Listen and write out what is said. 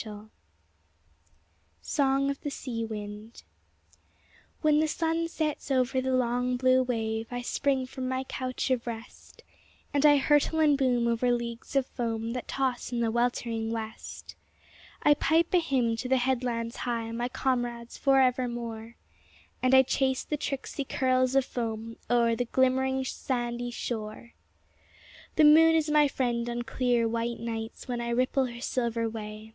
22 SONG OF THE SEA WIND When the sun sets over the long blue wave I spring from my couch of rest, And I hurtle and boom over leagues of foam That toss in the weltering west, I pipe a hymn to the headlands high, My comrades forevermore, And I chase the tricksy curls of foam O'er the glimmering sandy shore. The moon is my friend on clear, white nights When I ripple her silver way.